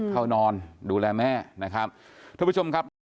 เข้านอนดูแลแม่นะครับ